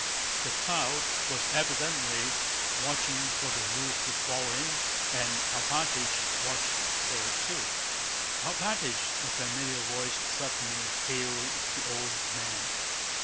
The crowd was evidently watching for the roof to fall in, and Alpátych watched for it too. "Alpátych!" a familiar voice suddenly hailed the old man.